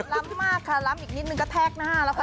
ล้ำมากค่ะล้ำอีกนิดนึงกระแทกหน้าแล้วค่ะ